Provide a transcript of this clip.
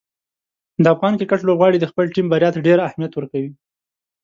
د افغان کرکټ لوبغاړي د خپلې ټیم بریا ته ډېر اهمیت ورکوي.